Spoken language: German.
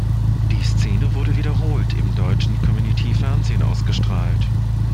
Die Szene wurde wiederholt im deutschen Comedy-Fernsehen ausgestrahlt.